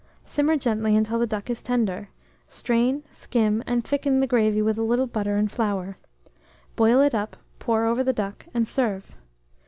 Simmer gently until the duck is tender; strain, skim, and thicken the gravy with a little butter and flour; boil it up, pour over the duck, and serve.